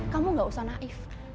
kamu gak usah naif